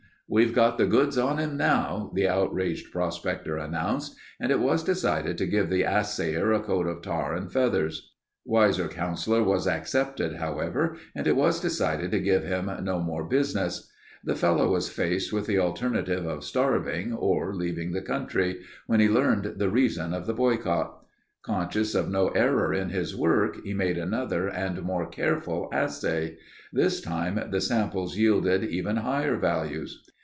"We've got the goods on him now," the outraged prospector announced and it was decided to give the assayer a coat of tar and feathers. Wiser counsel was accepted, however, and it was decided to give him no more business. The fellow was faced with the alternative of starving or leaving the country, when he learned the reason of the boycott. Conscious of no error in his work, he made another and more careful assay. This time the samples yielded even higher values.